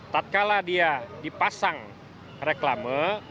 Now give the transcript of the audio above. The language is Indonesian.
tadikalah dia dipasang reklama